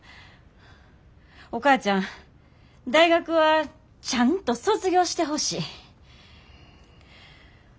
お母ちゃん大学はちゃんと卒業してほしい。